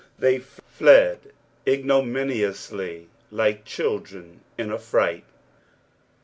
They fled ignominiously, like children in a fright.